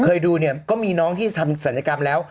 เคยดูเนี่ยก็มีน้องที่ทำศัลยกรรมแล้ว